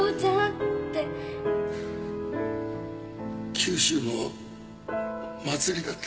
九州の祭りだった。